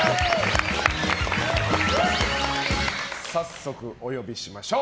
早速お呼びしましょう。